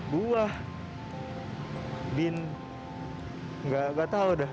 buah nggak tahu dah